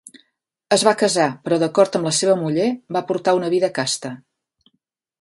Es va casar, però d'acord amb la seva muller, va portar una vida casta.